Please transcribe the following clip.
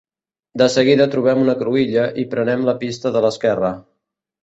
De seguida trobem una cruïlla i prenem la pista de l'esquerra.